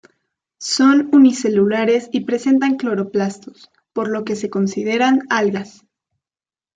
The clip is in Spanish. Son unicelulares y presentan cloroplastos, por lo que se consideran algas.